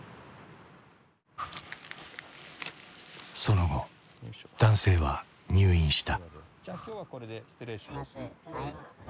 その後男性は入院した。